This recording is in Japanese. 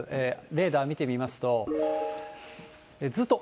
レーダーを見てみますと。